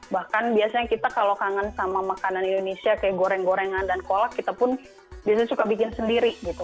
bahkan biasanya kita kalau kangen sama makanan indonesia kayak goreng gorengan dan kolak kita pun biasanya suka bikin sendiri gitu